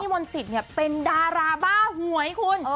พี่มนต์ศิษย์เป็นดาราบ้าหวยคุณ